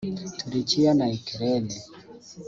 Turikiya na Ukraine